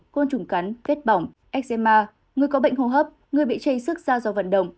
con trùng cắn vết bỏng eczema người có bệnh hồ hấp người bị chây sức da do vận động